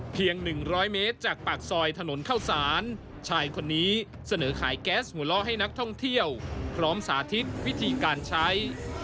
๑๐๐เมตรจากปากซอยถนนเข้าสารชายคนนี้เสนอขายแก๊สหัวล้อให้นักท่องเที่ยวพร้อมสาธิตวิธีการใช้